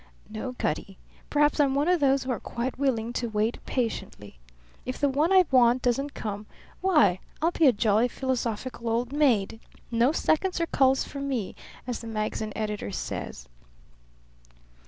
"No, Cutty. Perhaps I'm one of those who are quite willing to wait patiently. If the one I want doesn't come why, I'll be a jolly, philosophical old maid. No seconds or culls for me, as the magazine editor says."